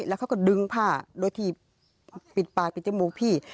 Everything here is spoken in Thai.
แล้วเขาก็ดึงผ้าโดยที่ปิดปากปิดจมูกพี่